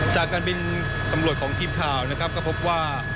จากการบินสำรวจของทีมข่าวนะครับก็พบว่า